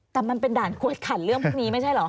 แต่มันเป็นด่านกวดขันเรื่องพวกนี้ไม่ใช่เหรอ